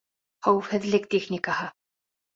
Хәүефһеҙлек техникаһы.